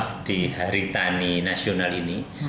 jadi hari tani nasional ini